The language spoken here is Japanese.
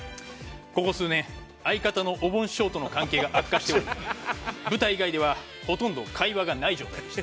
ここ数年相方のおぼん師匠との関係が悪化しており舞台以外ではほとんど会話がない状態でした。